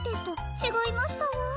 ちがいましたわ。